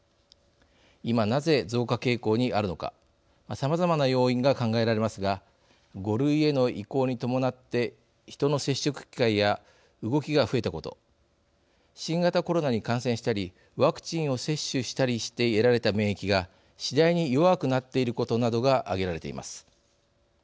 さまざまな要因が考えられますが５類への移行に伴って人の接触機会や動きが増えたこと新型コロナに感染したりワクチンを接種したりして得られた免疫が次第に弱くなっていることなどが挙げられています。